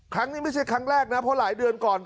ครั้งนี้ไม่ใช่ครั้งแรกนะเพราะหลายเดือนก่อน